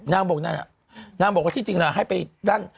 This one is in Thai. นางบอกนั่นน่ะนางบอกว่าที่จริงล่ะให้ไปด้าน